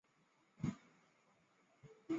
是维多利亚女王的外孙。